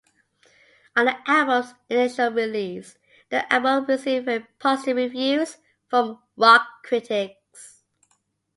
On the album's initial release, the album received very positive reviews from rock critics.